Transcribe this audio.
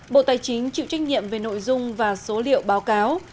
bộ tài chính chịu trách nhiệm về nội dung và số liệu báo cáo